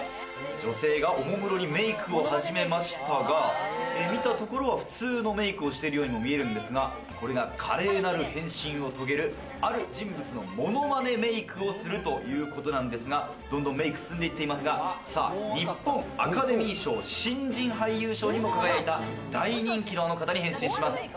女性がおもむろにメイクを始めましたが、見たところは普通のメイクをしているように見えるんですが、これが華麗なる変身を遂げるある人物のものまねメイクをするということなんですが、どんどんメイクが進んでいっていますが、日本アカデミー賞新人俳優賞にも輝いた、大人気のあの方に変身します。